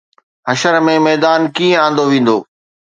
حشر ۾ ميدان ڪيئن آندو ويندو؟